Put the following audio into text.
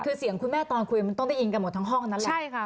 คือเสียงคุณแม่ตอนคุยมันต้องได้ยินกันหมดทั้งห้องนั้นแหละใช่ค่ะ